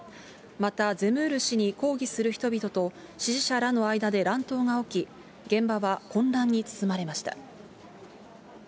また、ゼムール氏に抗議する人々と、支持者らとの間で乱闘が起き、現場は混乱に包まれました。